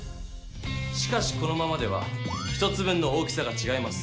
しかしこのままでは１つ分の大きさがちがいます。